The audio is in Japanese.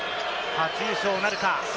初優勝なるか？